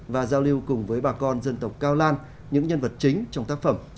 và giao lưu cùng với bà con dân tộc cao lan những nhân vật chính trong tác phẩm